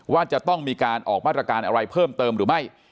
ว่าจะต้องมีการออกมาตรการอะไรเพิ่มเติมหรือไม่